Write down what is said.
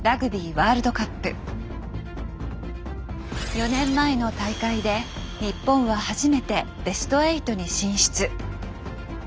４年前の大会で日本は初めてベスト８に進出。